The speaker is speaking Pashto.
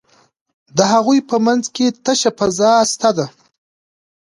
د هغوی په منځ کې تشه فضا شته ده.